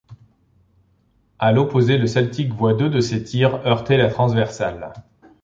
À l’opposé le Celtic voit deux de ses tirs heurter la transversale.